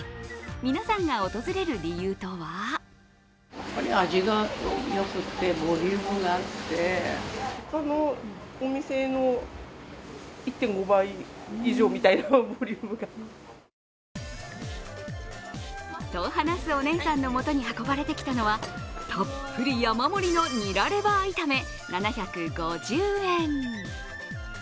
皆さんが訪れる理由とはと話すお姉さんのもとに運ばれてきたのはたっぷり山盛りのニラレバ炒め７５０円。